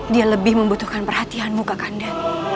dia lebih membutuhkan perhatianmu kakanda